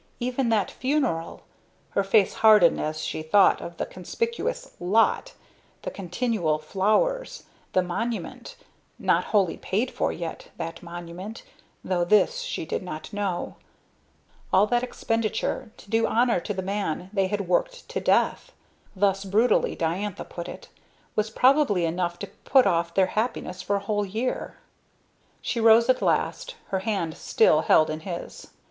Even that funeral her face hardened as she thought of the conspicuous "lot," the continual flowers, the monument (not wholly paid for yet, that monument, though this she did not know) all that expenditure to do honor to the man they had worked to death (thus brutally Diantha put it) was probably enough to put off their happiness for a whole year. She rose at last, her hand still held in his.